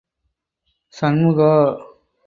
Shanmuga.